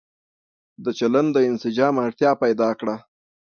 د چلن د انسجام اړتيا پيدا کړه